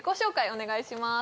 お願いします